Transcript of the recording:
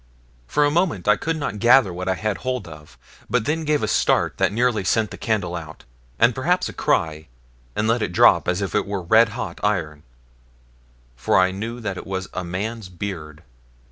For a moment, I could not gather what I had hold of, but then gave a start that nearly sent the candle out, and perhaps a cry, and let it drop as if it were red hot iron, for I knew that it was a man's beard.